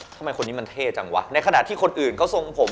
ทำไมคนนี้มันเท่จังวะในขณะที่คนอื่นเขาทรงผม